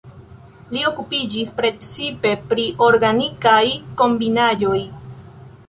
Li okupiĝis precipe pri organikaj kombinaĵoj.